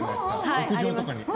屋上とかに。